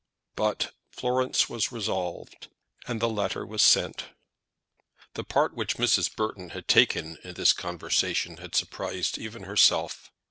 But Florence was resolved, and the letter was sent. The part which Mrs. Burton had taken in this conversation had surprised even herself.